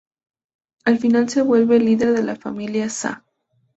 Al final se vuelve el líder de la familia Sa.